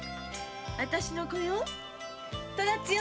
私の子よ